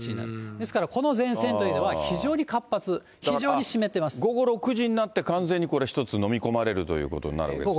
ですから、この前線というのは、非常に活発、午後６時になって、完全にこれ、１つ飲み込まれるというわけですね。